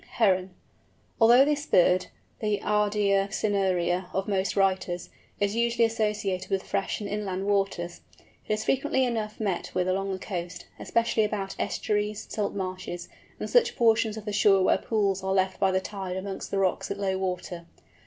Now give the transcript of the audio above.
HERON. Although this bird, the Ardea cinerea of most writers, is usually associated with fresh and inland waters, it is frequently enough met with along the coast, especially about estuaries, salt marshes, and such portions of the shore where pools are left by the tide amongst the rocks at low water.